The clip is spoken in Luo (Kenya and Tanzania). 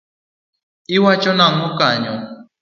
Iwacho nango kanyo.